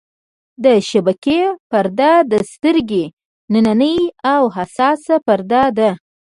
د شبکیې پرده د سترګې نننۍ او حساسه پرده ده.